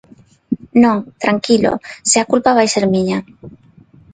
Non, tranquilo, se a culpa vai ser miña.